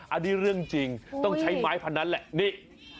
อันนี้เรื่องจริงต้องใช้ไม้พนันแหละนี่